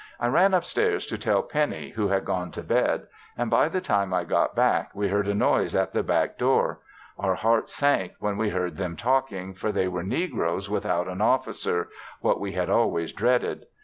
I ran up stairs to tell Pennie who had gone to bed and by the time I got back we heard a noise at the back door; our hearts sank when we heard them talking, for they were negroes without an officer, what we had always dreaded.